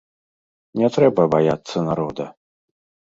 Не трэба баяцца народа.